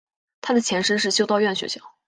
它的前身是修道院学校。